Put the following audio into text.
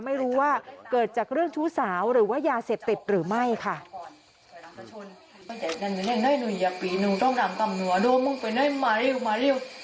ไม่รู้ว่าเกิดจากเรื่องชู้สาวหรือว่ายาเสพติดหรือไม่ค่ะ